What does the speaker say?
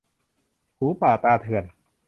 หูป่าตาเถื่อน